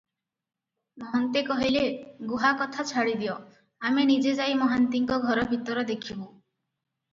ମହନ୍ତେ କହିଲେ, "ଗୁହା କଥା ଛାଡ଼ିଦିଅ, ଆମେ ନିଜେ ଯାଇ ମହାନ୍ତିଙ୍କ ଘର ଭିତର ଦେଖିବୁଁ ।